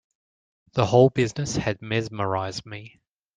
The whole business had mesmerised me.